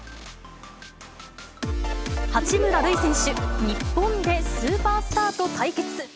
八村塁選手、日本でスーパースターと対決。